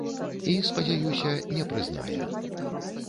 І, спадзяюся, не прызнае.